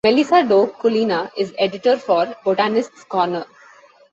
Melissa Dow Cullina is Editor for Botanists' Corner.